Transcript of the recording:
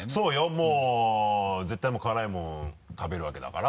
もう絶対辛いもの食べるわけだから。